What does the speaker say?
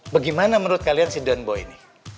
bagaimana menurut kalian si donbau ini